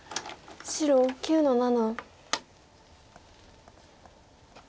白９の七。